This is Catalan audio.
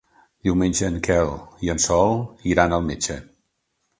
Diumenge en Quel i en Sol iran al metge.